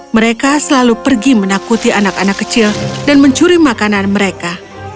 mereka selalu pergi menakuti anak anak kecil dan mencuri makanan mereka